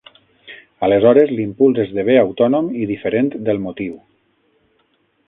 Aleshores, l'impuls esdevé autònom i diferent del motiu.